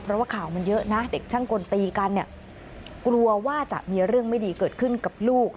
เพราะว่าข่าวมันเยอะนะเด็กช่างกลตีกันเนี่ยกลัวว่าจะมีเรื่องไม่ดีเกิดขึ้นกับลูก